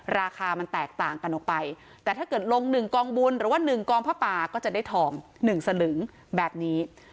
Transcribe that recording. ราคามันแตกต่างกันออกไปแต่ถ้าเกิดลง๑กองบุญหรือว่า๑กองผ้าป่าก็จะได้ทอง๑สลึงแบบนี้